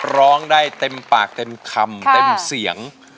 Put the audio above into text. ร้องได้เต็มปากเต็มคำเต็มเสียง